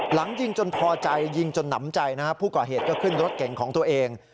หลังยิงจนพอใจยิงจนหนำใจนะฮะผู้ก่อเหตุก็ขึ้นรถเก่งของตัวเอง